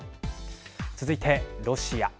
続いてロシア。